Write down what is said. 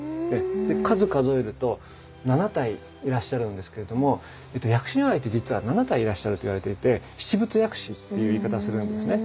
数数えると７体いらっしゃるんですけれども薬師如来って実は７体いらっしゃるといわれていて七仏薬師という言い方をするんですね。